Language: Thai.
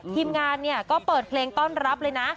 ทีมงานเนี่ยก็เปิดเพลงต้อนรับเลยนะ